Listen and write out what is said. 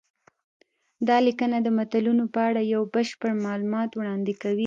دا لیکنه د متلونو په اړه یو بشپړ معلومات وړاندې کوي